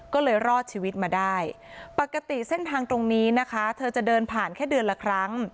ก็เลยรอดชีวิตมาได้ปกติเส้นทางตรงนี้นะคะเธอจะเดินผ่านแค่เดือนละครั้ง